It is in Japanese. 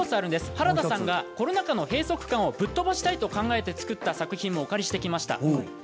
原田さんがコロナ禍の閉塞感をぶっ飛ばしたいと考えて作った作品もお借りしてきました。